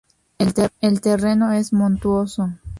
El terreno es montuoso.